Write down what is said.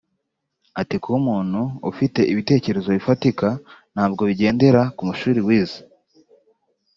Ati “Kuba umuntu ufite ibitekerezo bifatika ntabwo bigendera ku mashuri wize